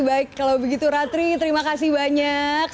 baik kalau begitu ratri terima kasih banyak